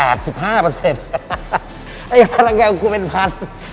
ไอ้พระรังแกรมคุณเป็นพันธุ์